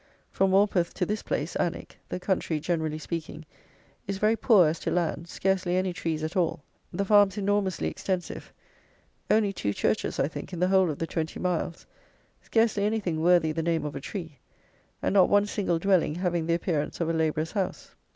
From Morpeth to this place (Alnwick), the country, generally speaking, is very poor as to land, scarcely any trees at all; the farms enormously extensive; only two churches, I think, in the whole of the twenty miles; scarcely anything worthy the name of a tree, and not one single dwelling having the appearance of a labourer's house.